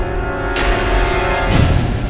aku mohon diri aku mau pulang